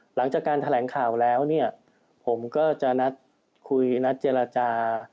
หลังจากการแถลงข่าวแล้วเนี่ยผมก็จะนัดคุยนัดเจรจา